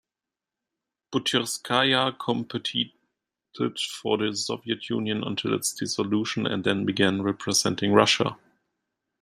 Butyrskaya competed for the Soviet Union until its dissolution and then began representing Russia.